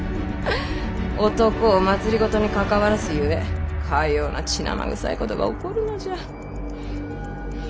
男を政に関わらすゆえかような血生臭いことが起こるのじゃ。